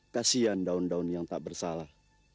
kasian daun daun yang tak bersalah